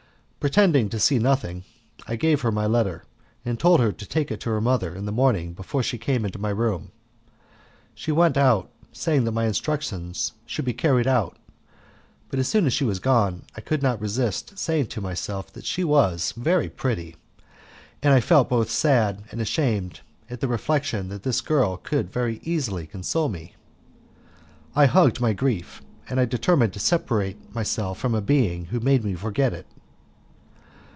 Pretending to see nothing, I gave her my letter, and told her to take it to her mother in the morning before she came into my room. She went out, saying that my instructions should be carried out, but as soon as she was gone I could not resist saying to myself that she was very pretty; and I felt both sad and ashamed at the reflection that this girl could very easily console me. I hugged my grief, and I determined to separate myself from a being who made me forget it.